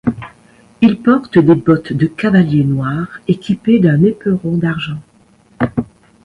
Il porte des bottes de cavalier noires équipées d'un éperon d'argent.